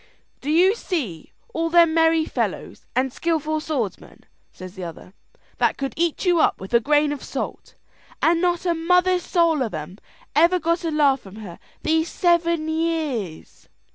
"Do you see all them merry fellows and skilful swordsmen," says the other, "that could eat you up with a grain of salt, and not a mother's soul of 'em ever got a laugh from her these seven years?"